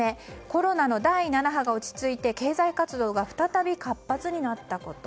コロナの第７波が落ち着いて経済活動が再び活発になったこと。